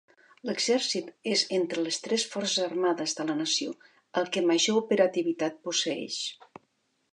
L'Exèrcit és entre les tres forces armades de la nació el que major operativitat posseeix.